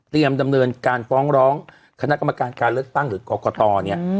ดำเนินการฟ้องร้องคณะกรรมการการเลือกตั้งหรือกรกตเนี่ย